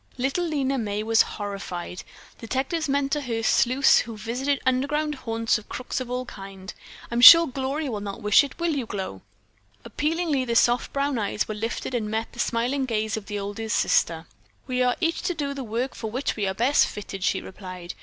Little Lena May was horrified. Detectives meant to her sleuths who visited underground haunts of crooks of all kinds. "I'm sure Gloria will not wish it, will you, Glow?" Appealingly the soft brown eyes were lifted and met the smiling gaze of the oldest sister. "We are each to do the work for which we are best fitted," she replied.